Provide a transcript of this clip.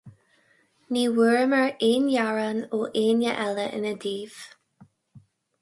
Ní bhfuaireamar aon ghearán ó éinne eile ina dtaobh.